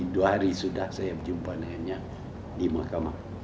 dua hari sudah saya berjumpa dengannya di mahkamah